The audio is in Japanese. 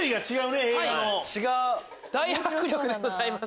大迫力でございます。